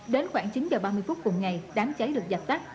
đến khoảng chín giờ ba mươi phút cùng ngày đám cháy được dập tắt